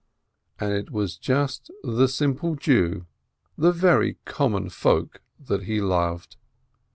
And it was just the simple Jew, the very common folk, that he loved.